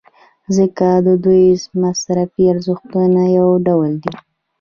ځکه د دوی مصرفي ارزښتونه یو ډول دي.